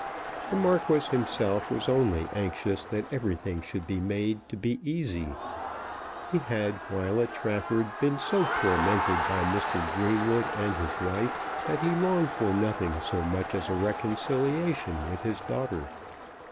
The Marquis himself was only anxious that everything should be made to be easy. He had, while at Trafford, been so tormented by Mr. Greenwood and his wife that he longed for nothing so much as a reconciliation with his daughter.